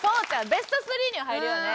ベスト３には入るよね。